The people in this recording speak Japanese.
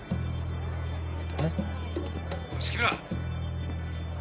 えっ？おい月村。